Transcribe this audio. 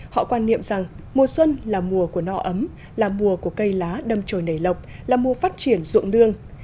họ quan niệm rằng mùa xuân là mùa của no ấm là mùa của cây lá đâm trồi nảy lọc là mùa phát triển ruộng nương